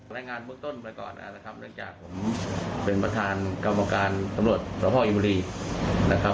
รายงานเบื้องต้นไปก่อนนะครับเนื่องจากผมเป็นประธานกรรมการสำรวจสภาพอินบุรีนะครับ